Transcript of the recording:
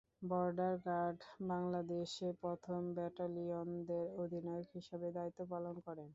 Border guard বাংলাদেশে প্রথম ব্যাটালিয়নের অধিনায়ক হিসাবে দায়িত্ব পালন করেন।